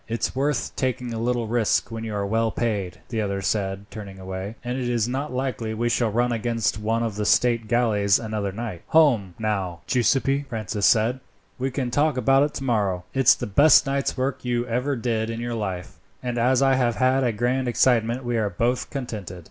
"It's worth taking a little risk when you are well paid," the other said, turning away, "and it is not likely we shall run against one of the state galleys another night." "Home, now, Giuseppi," Francis said, "we can talk about it tomorrow. It's the best night's work you ever did in your life, and as I have had a grand excitement we are both contented."